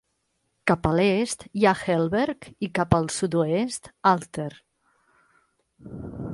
Cap a l'est hi ha Helberg i cap al sud-oest, Alter.